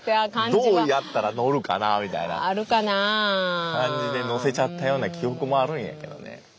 どうやったら乗るかなみたいな感じで乗せちゃったような記憶もあるんやけどね。